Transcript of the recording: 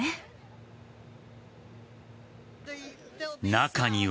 中には。